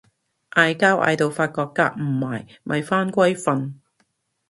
嗌交嗌到發覺夾唔埋咪返歸瞓